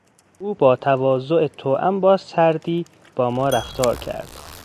او با تواضع توام با سردی با ما رفتار کرد.